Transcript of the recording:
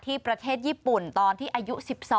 ประเทศญี่ปุ่นตอนที่อายุ๑๒